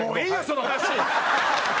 その話！